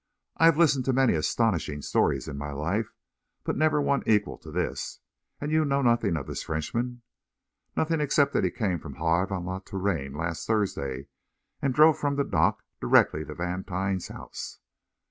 "I have listened to many astonishing stories in my life, but never one to equal this. And you know nothing of this Frenchman?" "Nothing except that he came from Havre on La Touraine last Thursday, and drove from the dock direct to Vantine's house."